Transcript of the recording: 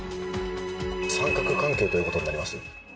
三角関係ということになります。